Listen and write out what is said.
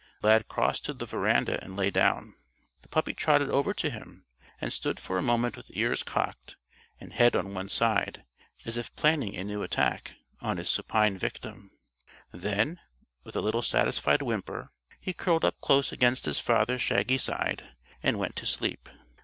Lad crossed to the veranda and lay down. The puppy trotted over to him and stood for a moment with ears cocked and head on one side as if planning a new attack on his supine victim; then with a little satisfied whimper, he curled up close against his father's shaggy side and went to sleep.